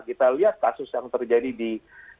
kita lihat kasus yang terjadi di